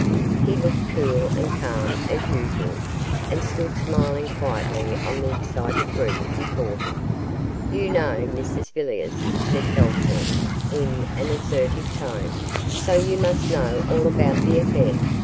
He looked cool and calm as usual, and stood smiling quietly on the excited group before him. 'You know Mrs Villiers,' said Bellthorp, in an assertive tone, 'so you must know all about the affair.